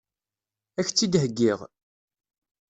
Ad k-tt-id-heggiɣ?